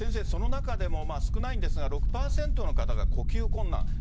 その中でも少ないんですが６％の方が呼吸困難。